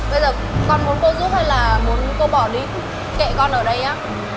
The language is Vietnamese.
bây giờ con muốn cô giúp hay là muốn cô bỏ đi kệ con ở đây nhá